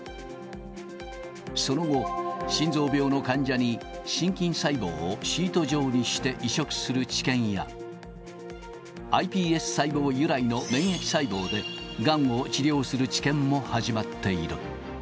その後、心臓病の患者に心筋細胞をシート状にして移植する治験や、ｉＰＳ細胞由来の免疫細胞で、がんを治療する治験も始まっている。